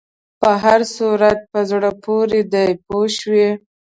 په هر صورت په زړه پورې دی پوه شوې!.